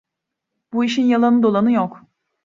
Bu işin yalanı, dolanı yok…